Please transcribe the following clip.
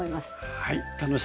はい。